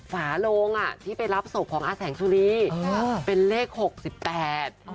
ฝารงที่ไปรับศพของอาแสงสุรีเป็นเลข๖๘